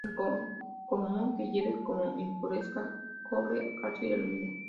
Es común que lleve como impurezas: cobre, calcio y aluminio.